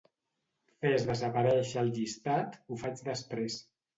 Fes desaparèixer el llistat "ho faig després".